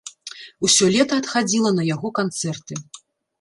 Усё лета адхадзіла на яго канцэрты.